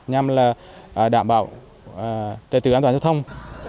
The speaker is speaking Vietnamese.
nhằm đảm bảo trẻ tử an toàn giao thông